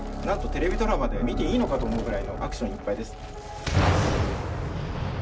なんとテレビドラマで見ていいのか？と思うくらいのアクションいっぱいです。